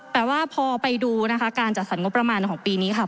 แต่ว่าพอไปดูนะคะการจัดสรรงบประมาณของปีนี้ค่ะ